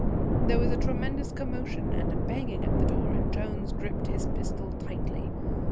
There was a tremendous commotion and banging at the door, and Jones gripped his pistol tightly.